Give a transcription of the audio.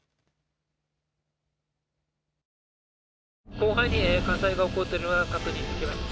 広範囲で火災が起こっているのが確認できます。